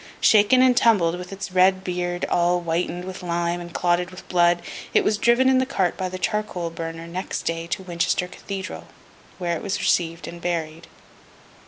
Shaken and tumbled, with its red beard all whitened with lime and clotted with blood, it was driven in the cart by the charcoal burner next day to Winchester Cathedral, where it was received and buried.